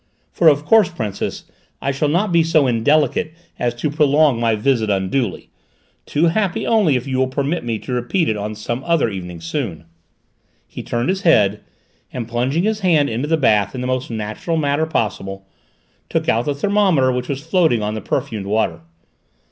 For, of course, Princess, I shall not be so indelicate as to prolong my visit unduly, too happy only if you will permit me to repeat it on some other evening soon." He turned his head, and plunging his hand into the bath in the most natural manner possible, took out the thermometer which was floating on the perfumed water.